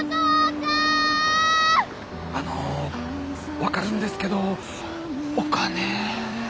あの分かるんですけどお金。